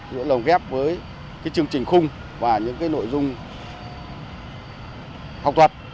giữa lồng ghép với chương trình khung và những cái nội dung học thuật